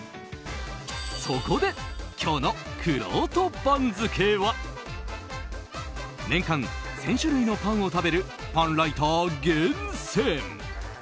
そこで、今日のくろうと番付は年間１０００種類のパンを食べるパンライター厳選。